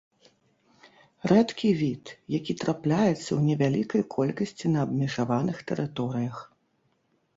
Рэдкі від, які трапляецца ў невялікай колькасці на абмежаваных тэрыторыях.